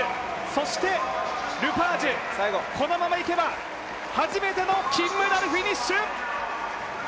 そしてルパージュ、このままいけば初めての金メダルフィニッシュ！